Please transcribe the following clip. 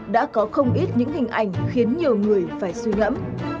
đã có không ít những hình ảnh khiến nhiều người phải suy ngẫm